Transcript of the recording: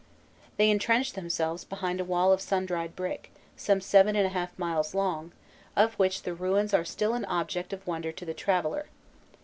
They entrenched themselves behind a wall of sun dried brick, some seven and a half miles long, of which the ruins are still an object of wonder to the traveller.